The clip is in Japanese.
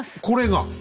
これが。